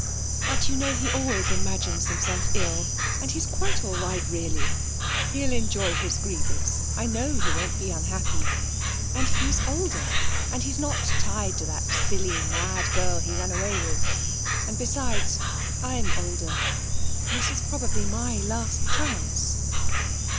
But you know he always imagines himself ill, and he's quite all right really. He'll enjoy his grievance. I know he won't be unhappy. And he's older, and he's not tied to that silly, mad girl he ran away with. And besides, I'm older. This is probably my last chance!'